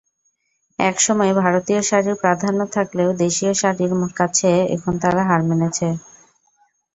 একসময় ভারতীয় শাড়ির প্রাধান্য থাকলেও দেশীয় শাড়ির কাছে এখন তারা হার মেনেছে।